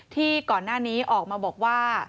ที่ก่อนหน้านี้ออกมาบอกว่า